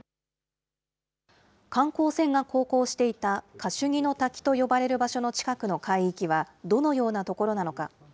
観光船が航行していたカシュニの滝と呼ばれる場所の近くの海域はどのような所なのか。